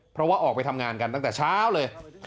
เพราะว่าออกไปทำงานกันตั้งแต่เช้าเลย